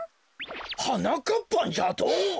「はなかっぱん」じゃと？